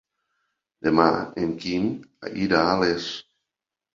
Demà en Quim irà a Les.